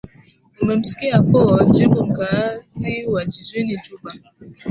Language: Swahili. umemsikia po jimbo mkaazi wa jijini juba